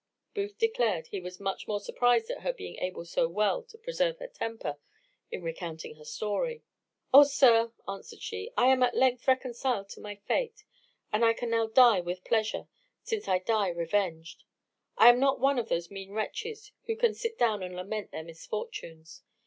Booth declared he was much more surprised at her being able so well to preserve her temper in recounting her story. "O sir," answered she, "I am at length reconciled to my fate; and I can now die with pleasure, since I die revenged. I am not one of those mean wretches who can sit down and lament their misfortunes.